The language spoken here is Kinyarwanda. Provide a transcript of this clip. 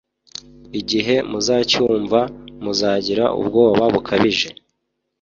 igihe muzacyumva muzagira ubwoba bukabije.